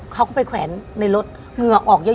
เขาก็ไปแขวนในรถเหงื่อออกเยอะ